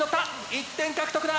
１点獲得だ！